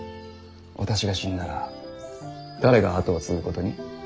私が死んだら誰が跡を継ぐことに。